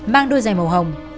mang đôi giày màu hồng